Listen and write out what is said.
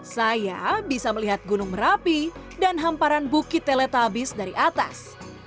saya bisa melihat gunung merapi dan hamparan bukit teletabis dari atas